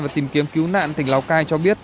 và tìm kiếm cứu nạn tỉnh lào cai cho biết